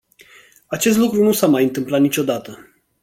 Acest lucru nu s-a mai întâmplat niciodată.